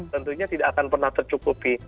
tentunya tidak akan pernah tercukupi